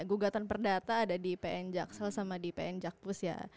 gugatan perdata ada di pn jaksal sama di pn jakpus ya